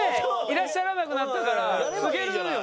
いらっしゃらなくなったから継げるよね。